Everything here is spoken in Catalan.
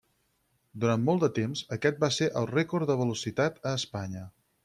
Durant molt de temps aquest va ser el rècord de velocitat a Espanya.